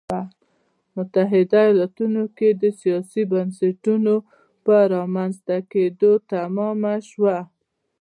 متحده ایالتونو کې د سیاسي بنسټونو په رامنځته کېدو تمامه شوه.